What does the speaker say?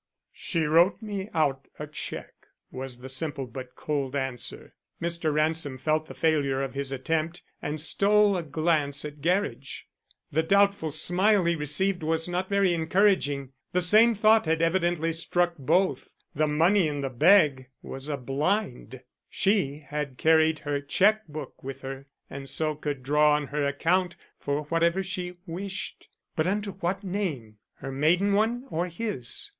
"She wrote me out a check," was the simple but cold answer. Mr. Ransom felt the failure of his attempt and stole a glance at Gerridge. The doubtful smile he received was not very encouraging. The same thought had evidently struck both. The money in the bag was a blind she had carried her check book with her and so could draw on her account for whatever she wished. But under what name? Her maiden one or his?